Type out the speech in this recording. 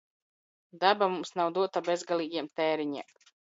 Daba mums nav dota bezgalīgiem tēriņiem.